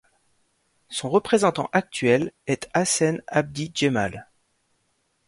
Son représentant actuel est Hassen Abdi Jemal.